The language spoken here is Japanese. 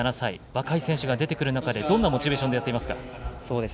若い選手が出てくる中で、どんなモチベーションでやっていますか。